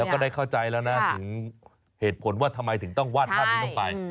แล้วก็ได้เข้าใจแล้วนะถึงเหตุผลว่าทำไมถึงต้องวาดภาพนี้ลงไป